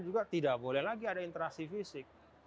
juga tidak boleh lagi ada interaksi fisik